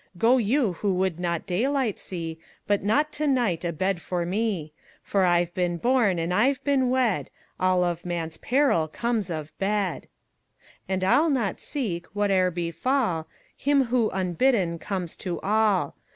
Go you who would not daylight see, But not to night a bed for me: For I've been born and I've been wed All of man's peril comes of bed. And I'll not seek whate'er befall Him who unbidden comes to all.